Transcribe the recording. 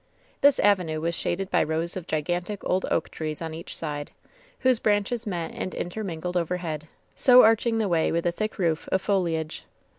This avenue was shaded by rows of gigantic old oak trees on each side, whose branches met and intermingled overhead, so arching the way with a thick roof of foliage.